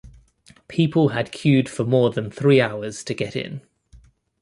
People had queued for more than three hours to get in.